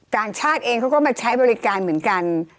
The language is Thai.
ต่างชาติเองเขาก็มาใช้บริการเหมือนกัน